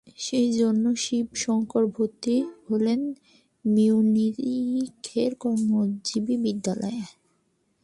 সে জন্য শিব শংকর ভর্তি হলেন মিউনিখের কর্মজীবী বিদ্যালয়ে।